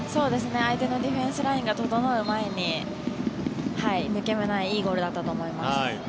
相手のディフェンスラインが整う前に抜け目ないいいゴールだったと思います。